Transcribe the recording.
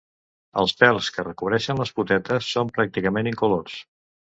Els pèls que recobreixen les potetes són pràcticament incolors.